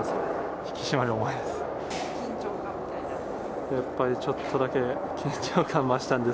引き締まる思いです。